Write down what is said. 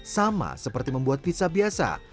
sama seperti membuat pizza